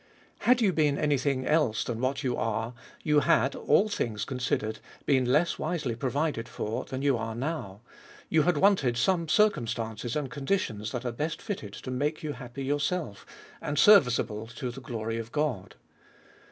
Had you been any thing else than what you are, you had, all things considered, been less wisely provi ded for than you are now ; you had wanted some cir cumstances and conditions that are best fitted to make you happy yourself, and serviceable to the glory of God.